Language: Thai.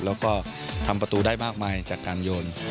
แล้วก็ทำประตูได้มากมายจากการโยน